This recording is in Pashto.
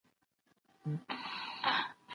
ایا ته د مشرانو اطاعت کوي؟